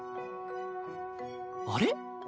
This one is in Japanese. あれ？